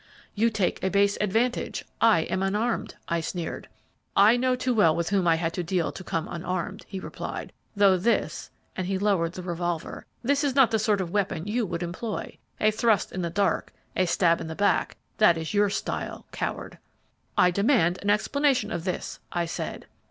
"'You take a base advantage; I am unarmed," I sneered. "'I knew too well with whom I had to deal to come unarmed,' he replied; 'though this,' and he lowered the revolver, 'this is not the sort of weapon you would employ, a thrust in the dark, a stab in the back, that is your style, coward!" "'I demand an explanation of this,' I said.